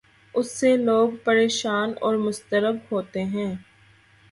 اس سے لوگ پریشان اور مضطرب ہوتے ہیں۔